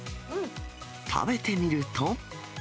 食べてみると。